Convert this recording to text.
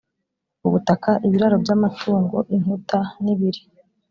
ubutaka ibiraro by amatungo inkuta n ibiri